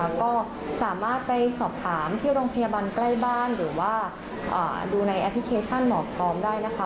แล้วก็สามารถไปสอบถามที่โรงพยาบาลใกล้บ้านหรือว่าดูในแอปพลิเคชันหมอพร้อมได้นะคะ